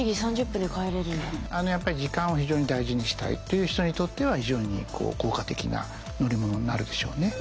やっぱり時間を非常に大事にしたいという人にとっては非常に効果的な乗り物になるでしょうね。